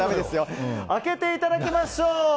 開けていただきましょう！